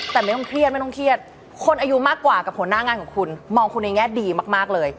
แต่ไม่ต้องเครียดไม่ต้องเครียดคนอายุมากกว่ากับหัวหน้างานของคุณมองคุณในแง่ดีมากเลย